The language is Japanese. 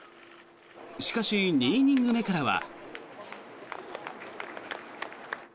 しかし、２イニング目からは。